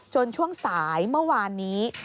ช่วงสายเมื่อวานนี้